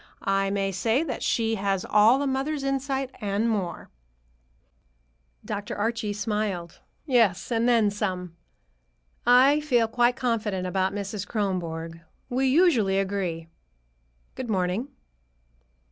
I may say that she has all a mother's insight, and more." Dr. Archie smiled. "Yes, and then some. I feel quite confident about Mrs. Kronborg. We usually agree. Good morning."